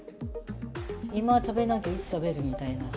今、食べなきゃ、いつ食べるみたいな。